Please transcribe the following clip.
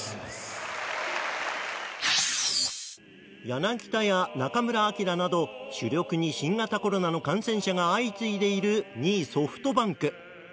柳田や中村晃など主力に新型コロナの感染者が相次いでいる２位、ソフトバンク。